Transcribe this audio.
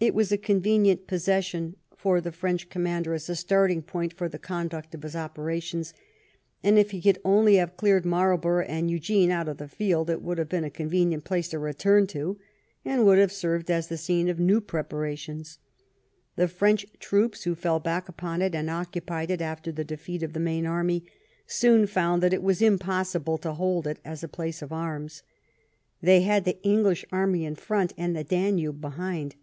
It was a convenient possession for the French com 116 '*THE CAMPAIGN"— BLENHEIM mander as a starting point for the conduct of his operations^ and if he could only have cleared Marl borough and Eugene out of the field, it would have been a convenient place to return to, and would have served as the scene of new preparations. The French troops who fell back upon it, and occupied it after the defeat of the main army, soon found that it was impossible to hold it as a place of arms. They had the English army in front and the Danube behind.